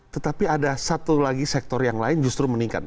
tetapi ada satu lagi sektor yang lain justru meningkat